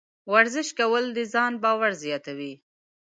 ورزش کول د ځان باور زیاتوي.